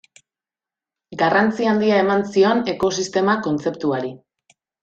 Garrantzi handia eman zion ekosistema kontzeptuari.